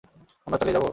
আমরা চালিয়ে যাবো?